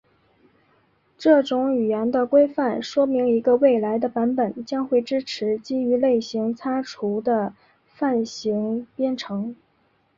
这种语言的规范说明一个未来的版本将会支持基于类型擦除的泛型编程。